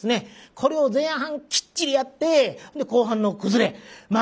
これを前半きっちりやって後半の崩れまあ